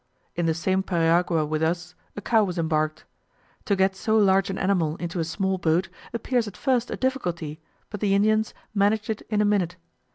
In the same periagua with us, a cow was embarked. To get so large an animal into a small boat appears at first a difficulty, but the Indians managed it in a minute.